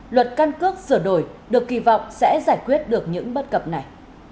luật căn cước sửa đổi được kỳ vọng sẽ giải quyết được những bất cập này